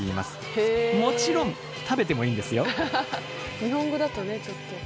日本語だとねちょっと。